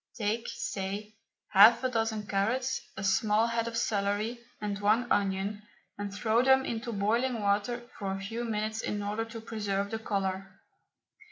Take, say, half a dozen carrots, a small head of celery, and one onion, and throw them into boiling water for a few minutes in order to preserve the colour.